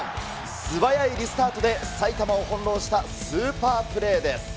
素早いリスタートで埼玉を翻弄したスーパープレーです。